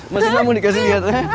masih nggak mau dikasih liat